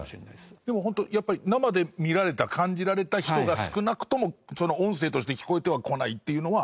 でもホントやっぱり生で見られた感じられた人が少なくとも音声として聞こえてはこないっていうのは。